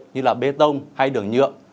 như là bê tông hay đường nhựa